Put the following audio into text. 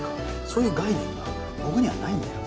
そういう概念が僕にはないんだよ。